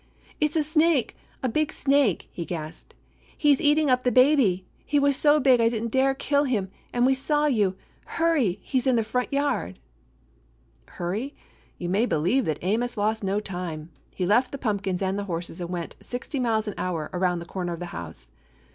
"It's a snake; a big snake!" he gasped. "He 's eating up the baby. He was so big I did n't dare kill him, and we saw you. Hurry! He's in the front yard." Hurry? You may believe that Amos lost no time. He left the pumpkins and the horses and went, sixty miles an hour, around the corner of the house.